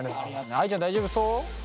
あいちゃん大丈夫そう？